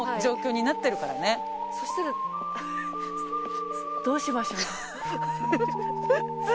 そしたらどうしましょう。